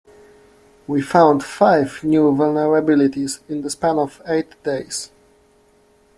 We found five new vulnerabilities in the span of eight days.